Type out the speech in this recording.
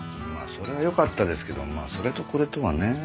まあそれはよかったですけどそれとこれとはね。